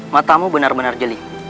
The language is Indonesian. matamu benar benar jeli